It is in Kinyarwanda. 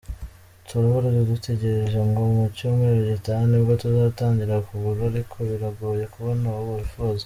Turaba dutegereje nko mu cyumweru gitaha nibwo tuzatangira kugura ariko biragoye kubona abo wifuza.